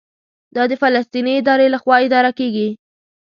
دا د فلسطیني ادارې لخوا اداره کېږي.